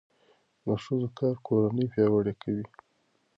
د ښځو کار کورنۍ پیاوړې کوي.